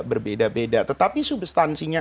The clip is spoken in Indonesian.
berbeda beda tetapi substansinya